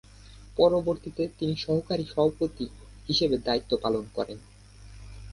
পরবর্তীতে তিনি এর সহকারী সভাপতি হিসেবে দায়িত্ব পালন করেন।